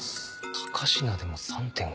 高階でも３．５。